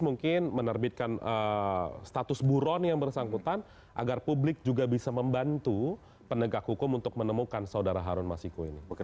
mungkin menerbitkan status buron yang bersangkutan agar publik juga bisa membantu penegak hukum untuk menemukan saudara harun masiku ini